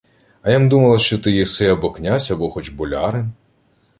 — А я-м думала, що ти єси або князь, або хоч болярин.